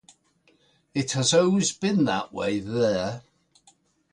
It has always been that way there.